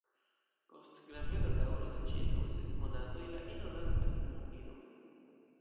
Post graveda daŭro de ĉirkaŭ ses monatoj la ino naskas unu idon.